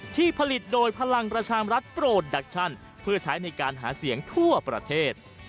ที่ผลิตโดยพลังประชามรัฐโปรดักชั่นเพื่อใช้ในการหาเสียงทั่วประเทศ